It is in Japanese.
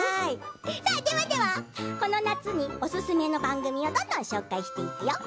ではではこの夏におすすめの番組をどんどん紹介していくよ。